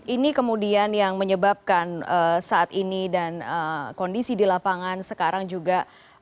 ini kemudian yang menyebabkan saat ini dan kondisi di lapangan sekarang juga